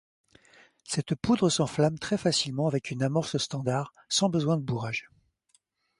Cette poudre s'enflamme très facilement avec une amorce standard, sans besoin de bourrage.